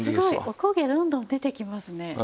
すごいおこげどんどん出てきますね。